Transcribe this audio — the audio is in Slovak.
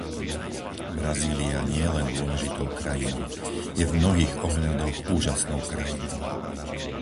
Brazília nie je len dôležitou krajinou; je v mnohých ohľadoch úžasnou krajinou.